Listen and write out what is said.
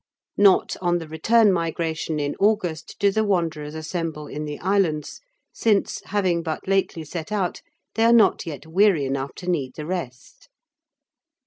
Not on the return migration in August do the wanderers assemble in the islands, since, having but lately set out, they are not yet weary enough to need the rest.